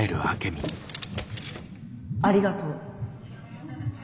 ありがとう。